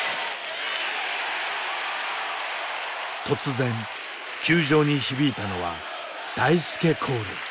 突然球場に響いたのは大輔コール。